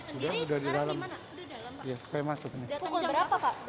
pukul berapa pak datangnya